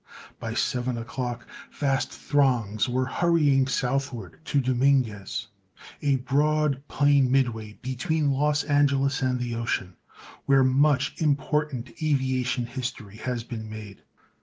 By seven o'clock vast throngs were hurrying southward to Dominguez—a broad plain midway between Los Angeles and the ocean—where much important aviation history has been made.